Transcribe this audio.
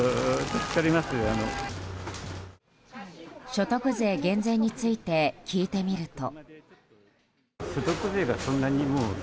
所得税減税について聞いてみると。